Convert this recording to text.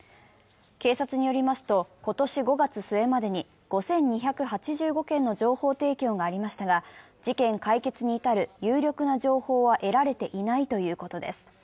警察によりますと今年５月末までに５２８５件の情報提供がありましたが、事件解決に至る有力な情報は得られていないということです。